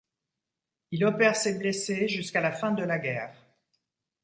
Il opère ses blessés jusqu'à la fin de la guerre.